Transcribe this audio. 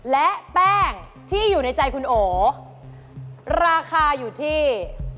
และแป้งที่อยู่ในใจคุณโอราคาอยู่ที่